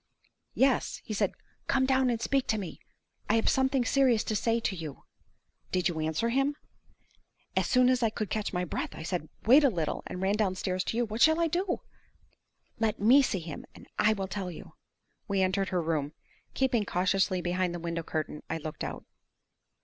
"Yes. He said, 'Come down and speak to me! I have something serious to say to you!'" "Did you answer him?" "As soon as I could catch my breath, I said, 'Wait a little,' and ran downstairs to you. What shall I do?" "Let me see him, and I will tell you." We entered her room. Keeping cautiously behind the window curtain, I looked out.